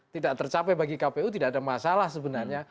tidak tercapai bagi kpu tidak ada masalah sebenarnya